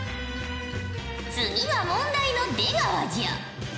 次は問題の出川じゃ。